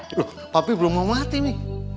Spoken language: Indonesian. loh papi belum mau mati mi